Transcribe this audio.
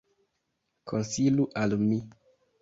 Konsilu al mi.